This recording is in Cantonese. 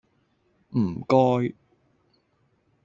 唔該